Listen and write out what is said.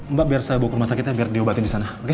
mbak biar saya bawa ke rumah sakitnya biar di obatin salmon oke